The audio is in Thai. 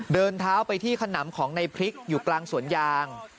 เดินเท้าไปที่ขนำของในพริกอยู่กลางสวนยาง